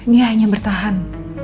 dia hanya bertahan